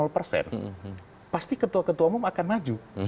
pasti ketua ketua umum akan maju